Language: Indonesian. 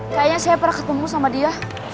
kayaknya saya pernah ketemu sama dia